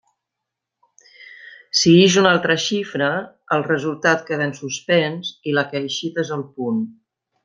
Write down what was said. Si ix una altra xifra, el resultat queda en suspens i la que ha eixit és el punt.